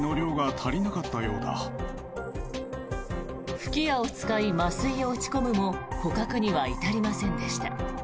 吹き矢を使い麻酔を打ち込むも捕獲には至りませんでした。